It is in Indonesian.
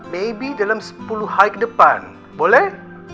maybe dalam sepuluh hari ke depan boleh